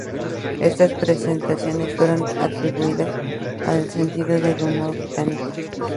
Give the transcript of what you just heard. Estas representaciones fueron atribuidas al sentido del humor británico.